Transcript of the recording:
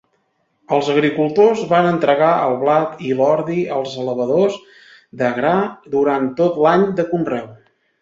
Els agricultors van entregar el blat i l'ordi als elevadors de gra durant tot l'any de conreu.